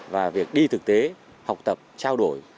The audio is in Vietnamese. và việc đi thực tế học tập trao đổi